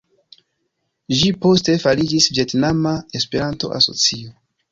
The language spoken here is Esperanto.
Ĝi poste fariĝis Vjetnama Esperanto-Asocio.